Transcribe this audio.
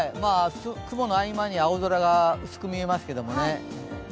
雲の合間に青空が薄く見えますけどね。